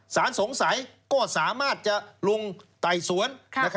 สารสงสัยก็สามารถจะลงไต่สวน